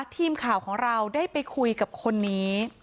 ทีมข่าวของเราได้ไปคุยกับคนนี้